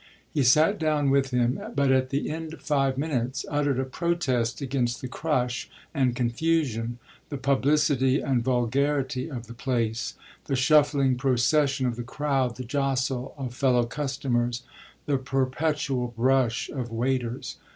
He sat down with him, but at the end of five minutes uttered a protest against the crush and confusion, the publicity and vulgarity of the place, the shuffling procession of the crowd, the jostle of fellow customers, the perpetual brush of waiters.